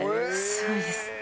すごいです。